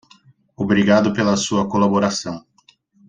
Obrigado pela sua colaboração.